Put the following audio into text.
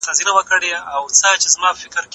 زه هره ورځ د لوبو لپاره وخت نيسم!!